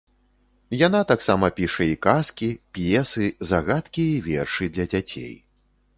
Яна таксама піша і казкі, п'есы, загадкі і вершы для дзяцей.